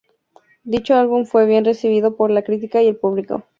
Dicho álbum fue bien recibido por la crítica y el público.